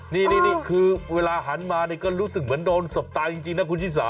นี่นี่นี่คือเวลาหันมาเนี้ยก็รู้สึกเหมือนโดนสบตายจริงจริงนะคุณศิษย์สา